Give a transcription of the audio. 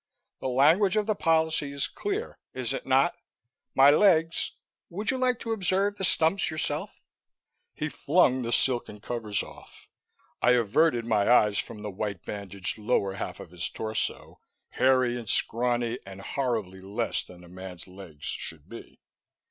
The language of the policy is clear, is it not? My legs would you like to observe the stumps yourself?" He flung the silken covers off. I averted my eyes from the white bandaged lower half of his torso, hairy and scrawny and horribly less than a man's legs should be.